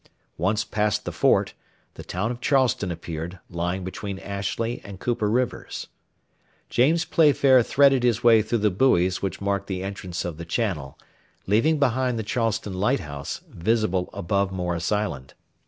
Once past the fort, the town of Charleston appeared, lying between Ashley and Cooper Rivers. James Playfair threaded his way through the buoys which mark the entrance of the channel, leaving behind the Charleston lighthouse, visible above Morris Island.